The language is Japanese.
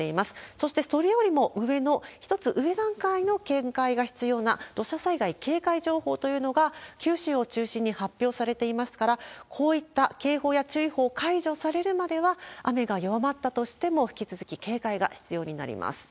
そしてそれよりも上の、１つ上段階の警戒が必要な土砂災害警戒情報というのが九州を中心に発表されていますから、こういった警報や注意報が解除されるまでは、雨が弱まったとしても、引き続き警戒が必要になります。